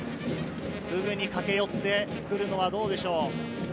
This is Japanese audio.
すぐに駆け寄ってくるのはどうでしょう？